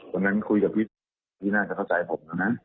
วันนั้นคุยกับพี่พี่น่าจะเข้าใจผมแล้วนะ